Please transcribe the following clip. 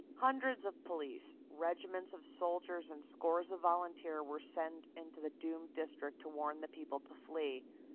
Hundreds of police, regiments of soldiers and scores of volunteers were sent into the doomed district to warn the people to flee.